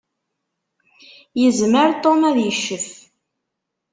Yezmer Tom ad iccef.